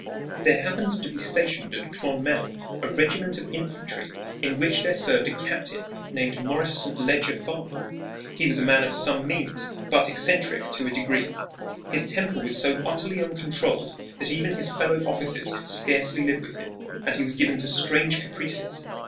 There happened to be stationed at Clonmel a regiment of infantry in which there served a captain named Maurice St. Leger Farmer. He was a man of some means, but eccentric to a degree. His temper was so utterly uncontrolled that even his fellow officers could scarcely live with him, and he was given to strange caprices.